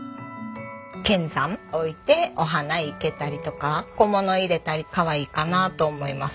剣山置いてお花生けたりとか小物入れたりかわいいかなと思います。